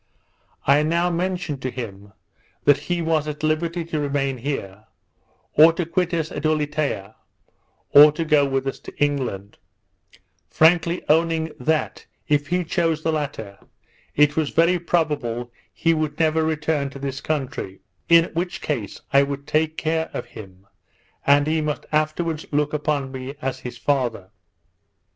I now mentioned to him, that he was at liberty to remain here; or to quit us at Ulietea; or to go with us to England; frankly owning that if he chose the latter, it was very probable he would never return to his country; in which case I would take care of him, and he must afterwards look upon me as his father.